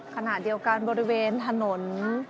ขณะเดียวกันบริเวณถนน